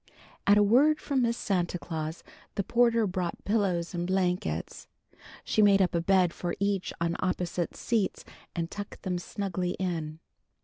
At a word from Miss Santa Claus the porter brought pillows and blankets. She made up a bed for each on opposite seats and tucked them snugly in.